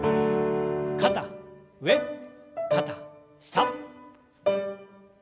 肩上肩下。